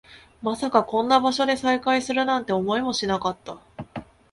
まさかこんな場所で再会するなんて、思いもしなかった